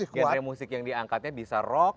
wahai musik yang diangkatnya bisa rock